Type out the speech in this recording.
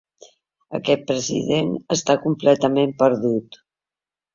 Aquest president està completament perdut.